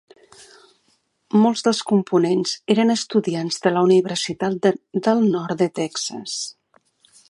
Molts dels components eren estudiants de la Universitat del Nord de Texas.